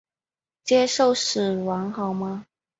接受死亡好吗？